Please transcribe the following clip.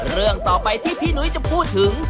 เรื่องต่อไปที่พี่หนุ้ยจะพูดถึง